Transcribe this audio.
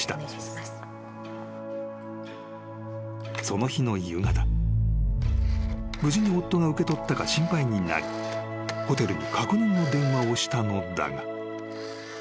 ［その日の夕方無事に夫が受け取ったか心配になりホテルに確認の電話をしたのだが］